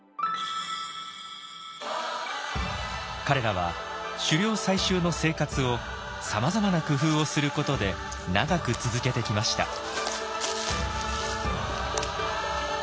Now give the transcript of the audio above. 彼らは狩猟採集の生活をさまざまな工夫をすることで長く続けてきました。